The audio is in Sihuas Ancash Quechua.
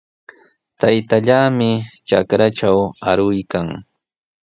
Taytallaami trakratraw arukuykan.